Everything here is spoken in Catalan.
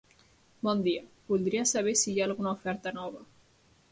Bon dia, voldria saber si hi ha alguna oferta nova.